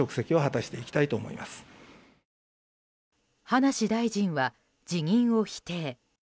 葉梨大臣は辞任を否定。